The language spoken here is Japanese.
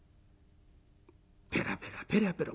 ペラペラペラペラ